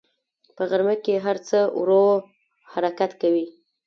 په غرمه کې هر څه ورو حرکت کوي